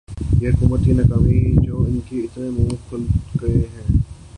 یہ حکومت کی ناکامی جو انکے اتنے منہ کھل گئے ہیں